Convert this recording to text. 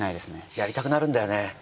やりたくなるんだよね。